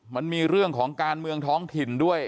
มันมีเรื่องของการเมืองท้องถิ่นด้วย